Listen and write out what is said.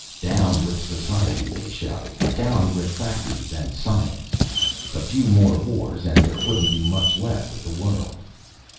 Down with society, they shouted. Down with factories and science! A few more wars and there wouldn't be much left of the world.